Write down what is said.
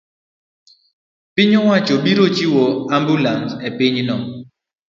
piny owacho biro chiwo ambulans e pinyno